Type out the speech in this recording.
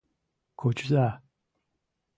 Кучыза.